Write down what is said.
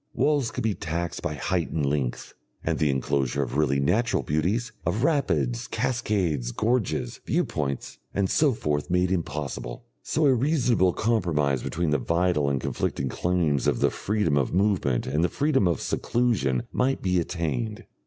Walls could be taxed by height and length, and the enclosure of really natural beauties, of rapids, cascades, gorges, viewpoints, and so forth made impossible. So a reasonable compromise between the vital and conflicting claims of the freedom of movement and the freedom of seclusion might be attained....